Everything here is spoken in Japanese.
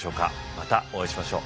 またお会いしましょう。